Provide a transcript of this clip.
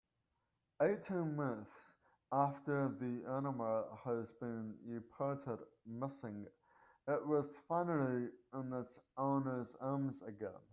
Eighteen months after the animal has been reported missing it was finally in its owner's arms again.